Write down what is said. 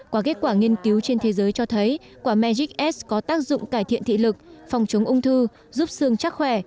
qua kết quả nghiên cứu trên thế giới cho thấy quả mejix s có tác dụng cải thiện thị lực phòng chống ung thư giúp xương chắc khỏe